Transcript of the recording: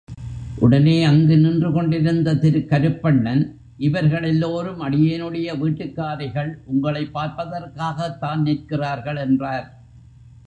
உடனே அங்கு நின்று கொண்டிருந்த திரு கருப்பண்ணன், இவர்களெல்லோரும் அடியேனுடைய வீட்டுக்காரிகள் உங்களைப் பார்ப்பதற்காகத் தான் நிற்கிறார்கள் என்றார்.